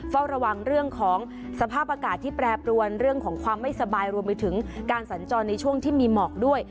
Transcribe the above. เฝ้าระวังเรื่องของสภาพอากาศที่แปรปรวนเรื่องของความไม่สบายรวมไปถึงการสัญจรในช่วงที่มีหมอกด้วย